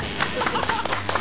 ハハハハ！